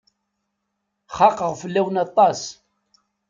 Xaqeɣ fell-awen aṭas.